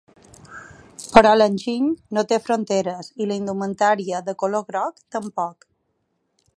Però l’enginy no té fronteres i la indumentària de color groc tampoc.